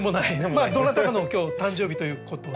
まあどなたかの今日誕生日ということで。